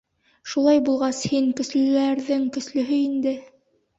Шулай булғас, һин көслөләрҙең көслөһө инде.